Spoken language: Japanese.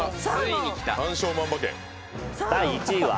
第１位は。